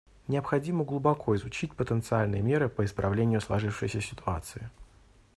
Необходимо глубоко изучить потенциальные меры по исправлению сложившейся ситуации.